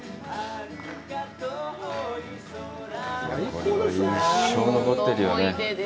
これ一生残ってるよね。